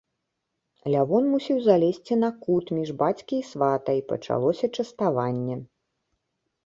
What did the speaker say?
Лявон мусіў залезці на кут, між бацькі і свата, і пачалося частаванне.